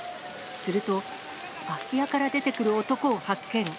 すると、空き家から出てくる男を発見。